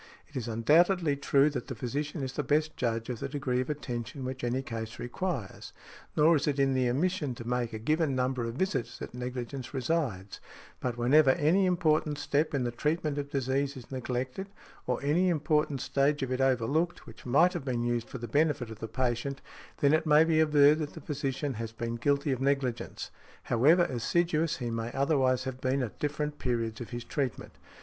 It is undoubtedly true that the physician is the best judge of the degree of attention which any case requires. Nor is it in the omission to make a given number of visits that negligence resides, but whenever any important step in the treatment of disease is neglected, or any important stage of it overlooked, which might have been used for the benefit of the patient, then it may be averred that the physician has been guilty of negligence, however assiduous he may otherwise have been at different periods of his treatment.